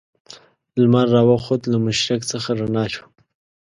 لمر را وخوت له مشرق څخه رڼا شوه.